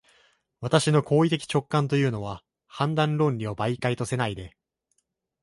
私の行為的直観というのは、判断論理を媒介とせないで、